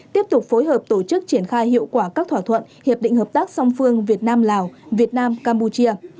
tiếp tục phối hợp tổ chức triển khai hiệu quả các thỏa thuận hiệp định hợp tác song phương việt nam lào việt nam campuchia